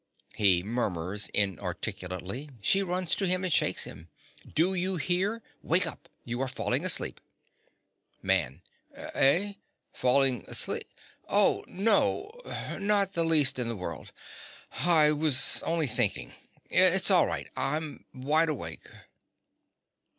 (He murmurs inarticulately: she runs to him and shakes him.) Do you hear? Wake up: you are falling asleep. MAN. Eh? Falling aslee—? Oh, no, not the least in the world: I was only thinking. It's all right: I'm wide awake.